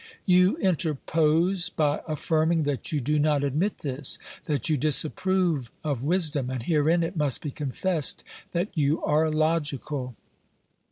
You interpose by affirming that you do not admit this, that you disapprove of wisdom, and herein it must be confessed that you are logical.